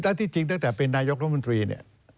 ถ้าที่จริงตั้งแต่เป็นนายกรัฐมนตรีเนี่ย